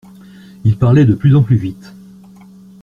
Ils parlaient de plus en plus vite.